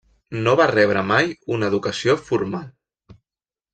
No va rebre mai una educació formal.